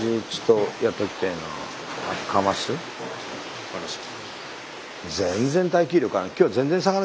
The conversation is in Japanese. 分かりました。